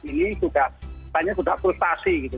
masyarakat ini sudah sebenarnya sudah frustasi gitu